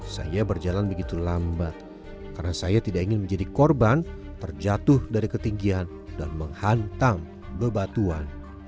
saya berjalan begitu lambat karena saya tidak ingin menjadi korban terjatuh dari ketinggian dan menghantam bebatuan